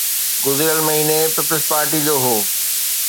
گذريل مهيني پيپلز پارٽيءَ جو هو.